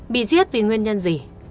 bị giết vì nguyên nhân gì